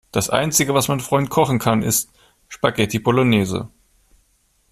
Das Einzige, was mein Freund kochen kann, ist Spaghetti Bolognese.